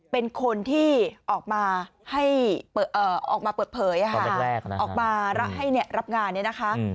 เป็นคนที่ออกมาเปิดเผยออกมาให้รับงาน